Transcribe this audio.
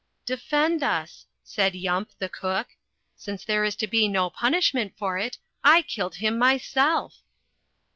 "Defend us," said Yump, the cook. "Since there is to be no punishment for it, I killed him myself."